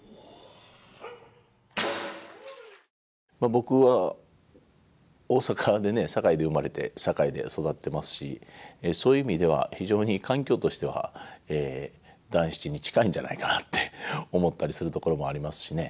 僕は大阪でね堺で生まれて堺で育ってますしそういう意味では非常に環境としては団七に近いんじゃないかなって思ったりするところもありますしね。